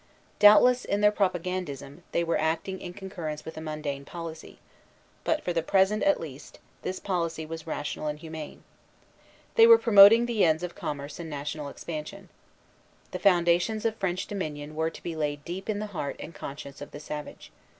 Doubtless, in their propagandism, they were acting in concurrence with a mundane policy; but, for the present at least, this policy was rational and humane. They were promoting the ends of commerce and national expansion. The foundations of French dominion were to be laid deep in the heart and conscience of the savage.